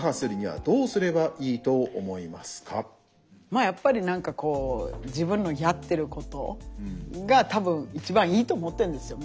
まあやっぱり何かこう自分のやってることが多分一番いいと思ってんですよ